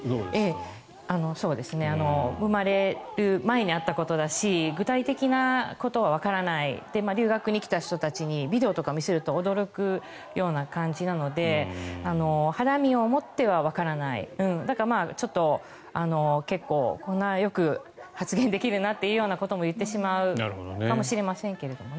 生まれる前にあったことだし具体的なことはわからない留学に来た人たちにビデオとかを見せると驚くような感じなので肌身を持ってはわからないだからこんなによく発言できるなということも言ってしまうかもしれませんけどね。